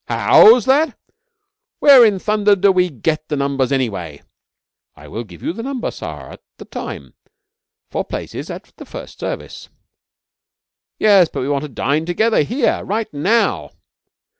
'Haow's that? Where in thunder do we get the numbers, anyway?' 'I will give you the number, sar, at the time for places at the first service.' 'Yes, but we want to dine together here right _now.